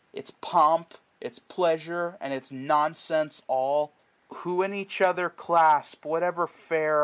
Its pomp, its pleasure, and its nonsense all ? Wh^ in each other clasp whatever fair SPRING.